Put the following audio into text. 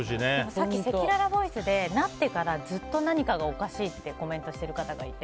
さっきせきららボイスでなってからずっと何かがおかしいってコメントしている方がいて